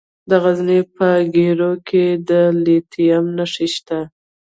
د غزني په ګیرو کې د لیتیم نښې شته.